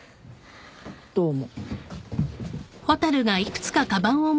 どうも。